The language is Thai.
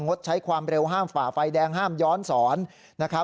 ดใช้ความเร็วห้ามฝ่าไฟแดงห้ามย้อนสอนนะครับ